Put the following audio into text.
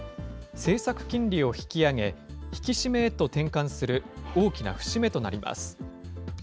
政策金利を引き上げ、引き締めへと転換する大きな節目となります。